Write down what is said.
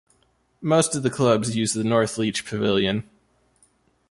Most of the clubs use the Northleach Pavilion.